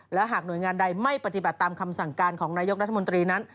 และหากหน่วยงานใดไม่ปฏิบัติตามคำสั่งการของนายกรัฐมนตรีนั้น